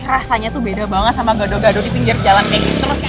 rasanya tuh beda banget sama gado gado di pinggir jalan yang itu